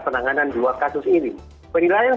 penanganan dua kasus ini penilaian